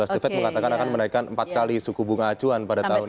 the fed mengatakan akan menaikan empat kali suku bunga acuan pada tahun ini